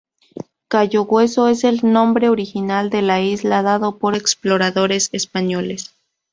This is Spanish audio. Cayo Hueso es el nombre original de la isla dado por exploradores españoles.